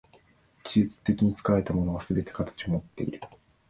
技術的に作られたものはすべて形をもっている。